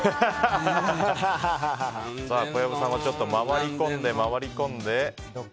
小籔さんは回り込んで回り込んで。